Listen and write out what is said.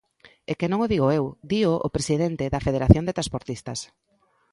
¡É que non o digo eu, dío o presidente da Federación de Transportistas!